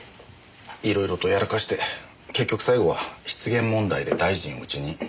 色々とやらかして結局最後は失言問題で大臣を辞任。